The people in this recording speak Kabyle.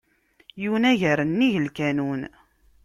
Yunag ɣer nnig lkanun.